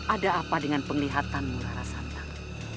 ada apa dengan penglihatanmu rara santang